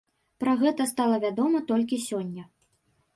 Пра гэта стала вядома толькі сёння.